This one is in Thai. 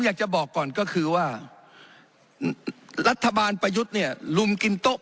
อยากจะบอกก่อนก็คือว่ารัฐบาลประยุทธ์เนี่ยลุมกินโต๊ะ